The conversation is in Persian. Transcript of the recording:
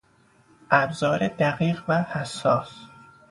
ابزار دقیق و حساس